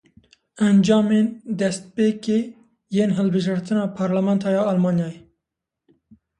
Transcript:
Encamên destpêkê yên hilbijartina parlamentoya Almanyayê.